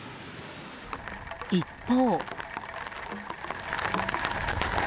一方。